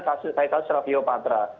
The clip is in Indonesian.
kaitan srafio patra